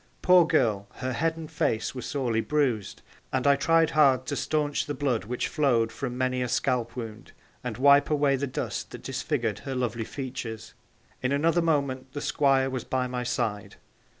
Poor girl, her head and face were sorely bruised, and I tried hard to staunch the blood which flowed from many a scalp wound, and wipe away the dust that disfigured her lovely features. In another moment the Squire was by my side.